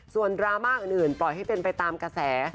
ส่วนดราม่าอื่นปล่อยให้เป็นไปตามกระแส